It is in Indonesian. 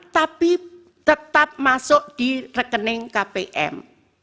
tapi tetap masuk di rekening kpm